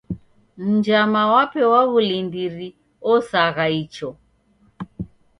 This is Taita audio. Mnjama wape wa w'ulindiri osagha icho.